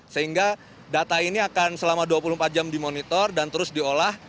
sehingga data ini akan selama dua puluh empat jam dimonitor dan terus diolah